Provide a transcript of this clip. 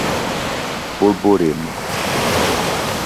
Borborema